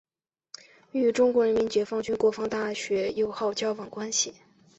与中国人民解放军国防大学友好交往关系。